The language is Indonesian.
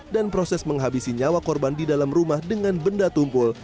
dan proses menghabisi nyawa korban di dalam rumah dengan benda tumpul